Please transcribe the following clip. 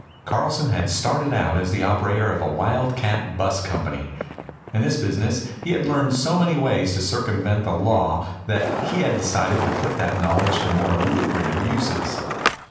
Carlson had started out as the operator of a wildcat bus company. In this business he had learned so many ways to circumvent the law that he had decided to put that knowledge to more lucrative uses.